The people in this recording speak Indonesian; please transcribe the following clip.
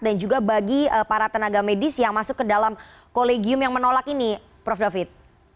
dan juga bagi para tenaga medis yang masuk ke dalam kolegium yang menolak ini prof david